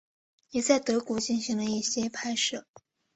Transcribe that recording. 也在德国进行了一些拍摄。